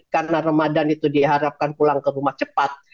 karena ramadan itu diharapkan pulang ke rumah cepat